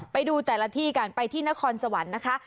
ไปดูแต่ละที่กันไปที่นครสวรรค์นะคะ